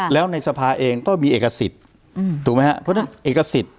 แล้วในสภาเองก็มีเอกสิทธิ์ถูกไหมครับเพราะฉะนั้นเอกสิทธิ์